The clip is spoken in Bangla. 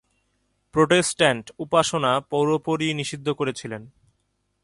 প্রোটেস্ট্যান্ট উপাসনা পুরোপুরি নিষিদ্ধ করেছিলেন।